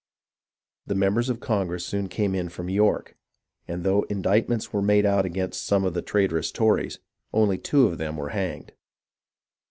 The members of Congress soon came in from York, and though indictments were made out against some of the traitorous Tories, only two of them were hanged.